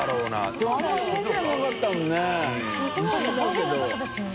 方言なかったですね。